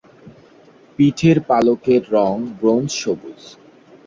পিঠের পালকের রং ব্রোঞ্জ-সবুজ।